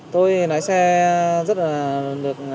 tôi lái xe rất là được